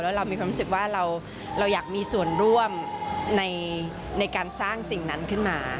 แล้วเรามีความรู้สึกว่าเราอยากมีส่วนร่วมในการสร้างสิ่งนั้นขึ้นมา